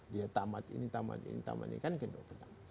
dia tamat ini tamat ini tamat ini kan kedua dua